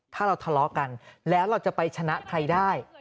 ถ้าเราทะเลาะกันแล้วเราจะไปชนะใครได้